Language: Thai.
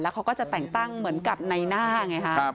เขาก็จะแต่งตั้งเหมือนกับในหน้าไงฮะ